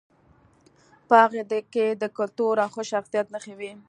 په هغې کې د کلتور او ښه شخصیت نښې وې